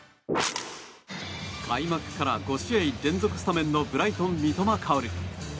開幕から５試合連続スタメンのブライトン、三笘薫。